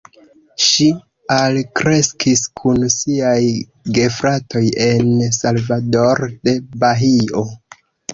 Ŝi alkreskis kun siaj gefratoj en Salvador de Bahio.